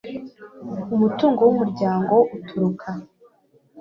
umutungo w umuryango uturuka